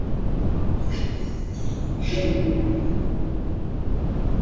Zanzibar imekuwa makazi ya watu kwa takribani miaka ishirini